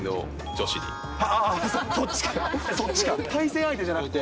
そっちか、対戦相手じゃなくて。